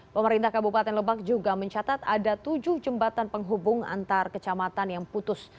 pemerintah kabupaten lebak juga mencatat ada tujuh jembatan penghubung antar kecamatan yang putus